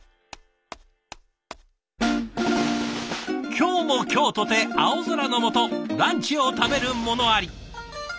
今日も今日とて青空の下ランチを食べる者あり。